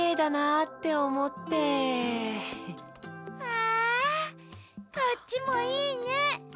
わこっちもいいね。